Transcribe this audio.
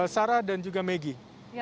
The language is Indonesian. sarah dan juga maggie